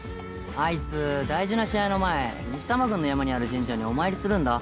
あいつ大事な試合の前西多摩郡の山にある神社にお参りするんだ